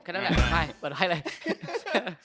แค่นั้นล่ะสาธารณาคตไปลูกแฟน